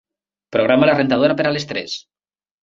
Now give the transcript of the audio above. Programa la rentadora per a les tres.